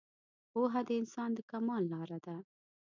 پوهه د انسان د کمال لاره ده